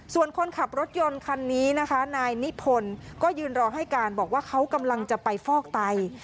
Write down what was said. ส่วนคนขับรถยนต์คันนี้นะคะนายนิพนธ์ก็ยืนรอให้การบอกว่าเขากำลังจะไปฟอกไต